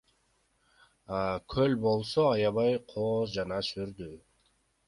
Көл болсо аябай кооз жана сүрдүү.